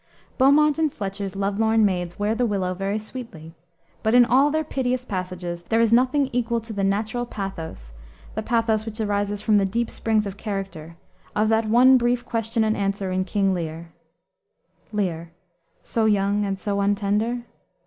Beaumont and Fletcher's love lorn maids wear the willow very sweetly, but in all their piteous passages there is nothing equal to the natural pathos the pathos which arises from the deep springs of character of that one brief question and answer in King Lear. "Lear. So young and so untender?